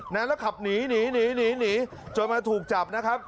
แล้วขับหนีจนมาถูกจับนะครับ